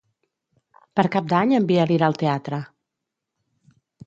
Per Cap d'Any en Biel irà al teatre.